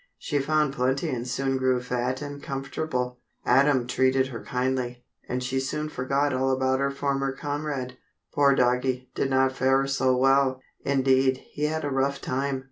She found plenty and soon grew fat and comfortable. Adam treated her kindly, and she soon forgot all about her former comrade. Poor Doggie did not fare so well. Indeed, he had a rough time.